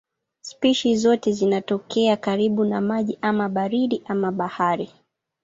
Spishi zote zinatokea karibu na maji ama baridi ama ya bahari.